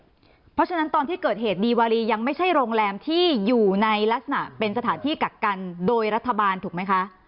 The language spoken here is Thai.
เพราะฉะนั้นตอนที่เกิดเหตุดีวารียังไม่ใช่โรงแรมที่อยู่ในลักษณะเป็นสถานที่กักกันโดยรัฐบาลถูกไหมคะ